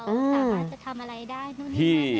อือที่